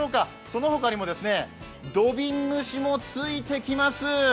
その他にも土瓶蒸しもついてきます。